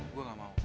gue gak mau